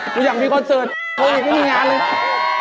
กูอยากมีคอนเสิร์ตโควิดไม่มีงานเลย